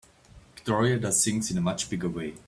Victoria does things in a much bigger way.